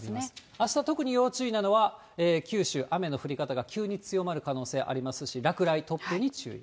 あした特に要注意なのは、九州、雨の降り方が急に強まる可能性ありますし、落雷、突風に注意。